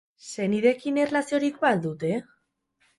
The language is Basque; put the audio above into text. Senideekin erlaziorik ba al dute?